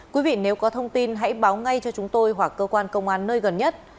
quý vị nếu có thông tin hãy báo ngay cho chúng tôi hoặc cơ quan công an nơi gần nhất